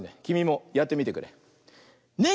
きみもやってみてくれ！